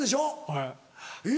はい。